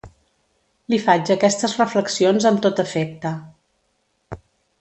Li faig aquestes reflexions amb tot afecte.